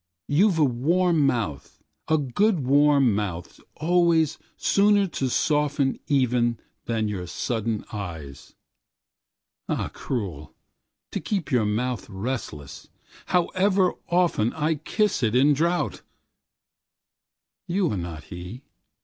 You've a warm mouth,A good warm mouth always sooner to softenEven than your sudden eyes. Ah cruel, to keep your mouthRelentless, however oftenI kiss it in drouth. You are not he.